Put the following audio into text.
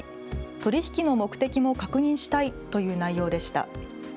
取り引きの目的も確認したいという内容でした。